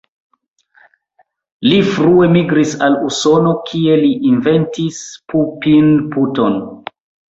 Li frue migris al Usono, kie li inventis Pupin-poton.